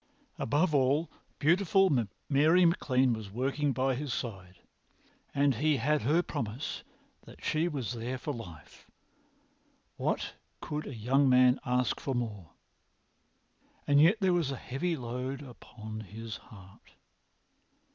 Above all, beautiful Mary MacLean was walking by his side, and he had her promise that she was there for life. What could a young man ask for more? And yet there was a heavy load upon his heart.